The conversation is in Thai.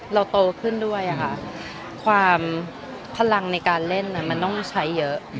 เราโตขึ้นด้วยค่ะความพลังในการเล่นมันต้องใช้เยอะ